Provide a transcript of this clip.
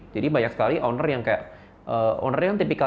jadi banyak sekali owner yang kayak